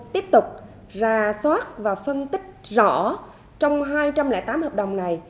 tiếp tục ra soát và phân tích rõ trong hai trăm linh tám hợp đồng này